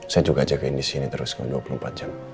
saya juga jagain di sini terus dua puluh empat jam